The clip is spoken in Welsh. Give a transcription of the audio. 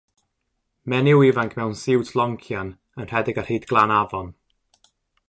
Menyw ifanc mewn siwt loncian yn rhedeg ar hyd glan afon.